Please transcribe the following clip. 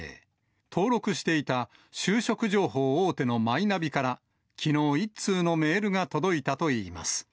登録していた就職情報大手のマイナビから、きのう、１通のメールが届いたといいます。